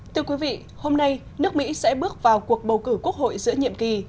thưa quý vị hôm nay nước mỹ sẽ bước vào cuộc bầu cử quốc hội giữa nhiệm kỳ